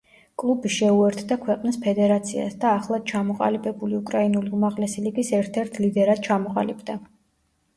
კლუბი შეუერთდა ქვეყნის ფედერაციას და ახლად ჩამოყალიბებული უკრაინული უმაღლესი ლიგის ერთ-ერთ ლიდერად ჩამოყალიბდა.